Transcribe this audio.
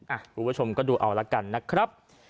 คุณผู้ชมก็ดูเอาละกันนะครับ